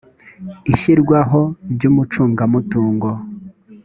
ishyirwaho ry umucungamutungo